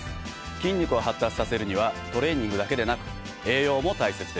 筋肉を発達させるにはトレーニングだけでなく栄養も大切です。